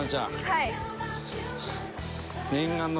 はい。